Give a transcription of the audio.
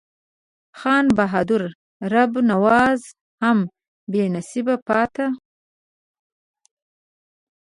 خان بهادر رب نواز هم بې نصیبه پاته نه شو.